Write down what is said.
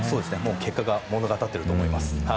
結果が物語っていると思います。